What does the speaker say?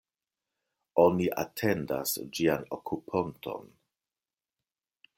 Oni atendas ĝian okuponton.